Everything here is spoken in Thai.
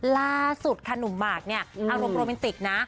ล่าสุดค่ะหนุ่มหมากเนี่ยอารมณ์โรแมนติกนะ